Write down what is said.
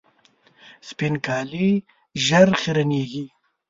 سپین کالي ژر خیرنېږي.